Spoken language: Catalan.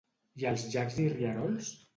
I els llacs i rierols?